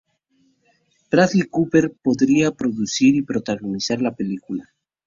Bradley Cooper podría producir y protagonizar la película.